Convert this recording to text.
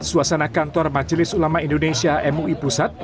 suasana kantor majelis ulama indonesia mui pusat